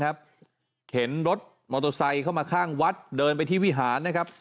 เข็นรถมอเตอร์ไซค์เข้ามาข้างวัดเดินไปที่วิหารนะครับ